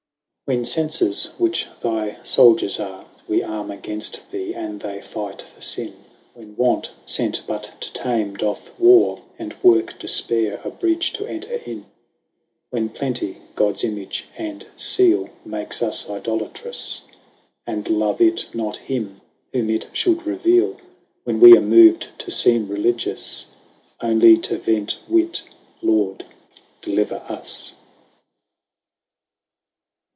When fenfes, which thy fouldiers are, Wee arme againft thee, and they fight for finne, When want, fent but to tame, doth warre And worke defpaire a breach to enter in, When plenty, Gods image, and feale 185 Makes us Idolatrous, And love it, not him, whom it mould reveale, When wee are mov'd to feeme religious Only to vent wit, Lord deliver us.